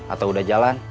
atau udah jalan